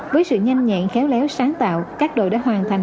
với sự nhanh nhạn khéo léo sáng tạo các đội đã hoàn thành